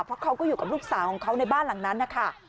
เพราะเขาก็อยู่กับลูกสาวของเขาในบ้านหลังนั้นนะคะ